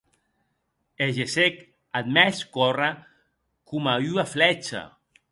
E gessec ath mès córrer, coma ua flècha.